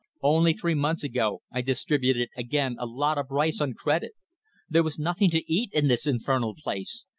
Only three months ago I distributed again a lot of rice on credit. There was nothing to eat in this infernal place.